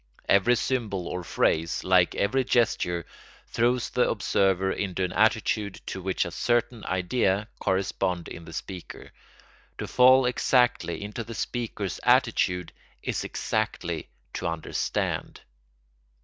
Every symbol or phrase, like every gesture, throws the observer into an attitude to which a certain idea corresponded in the speaker; to fall exactly into the speaker's attitude is exactly to understand.